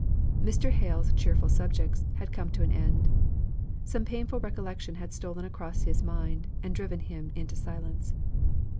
Mr. Hale's cheerful subjects had come to an end. Some painful recollections had stolen across his mind, and driven him into silence.